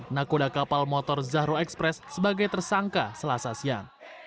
nakoda kapal motor zahro express sebagai tersangka selasa siang